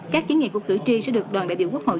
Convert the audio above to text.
các kiến nghị của cử tri sẽ được đoàn đại biểu quốc hội